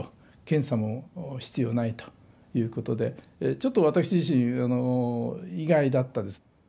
検査も必要ないということでちょっと私自身意外だったです。